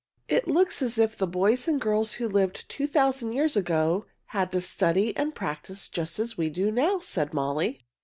"It looks as if the boys and girls who lived two thousand years ago had to study and practice just as we do now," said Molly.